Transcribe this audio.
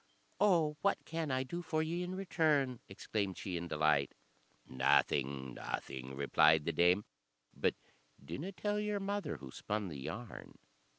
"Oh, what can I do for ye in return?" exclaimed she, in delight. "Nothing nothing," replied the dame; "but dinna tell your mother who spun the yarn."